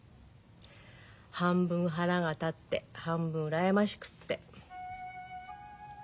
半分腹が立って半分羨ましくて。